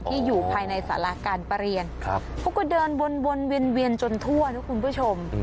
ที่อยู่ภายในสาราการประเรียนครับเขาก็เดินบนบนเวียนเวียนจนทั่วนะครับคุณผู้ชม